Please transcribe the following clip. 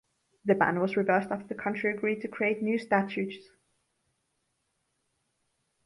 The ban was reversed after the country agreed to create new statutes.